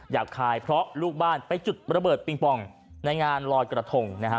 คายเพราะลูกบ้านไปจุดระเบิดปิงปองในงานลอยกระทงนะฮะ